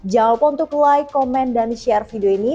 jawaban untuk like komen dan share video ini